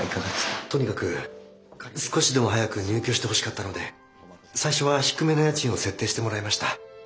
とにかく少しでも早く入居してほしかったので最初は低めの家賃を設定してもらいました。